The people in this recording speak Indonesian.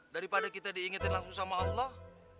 daripada kita diingetin langsung sama allah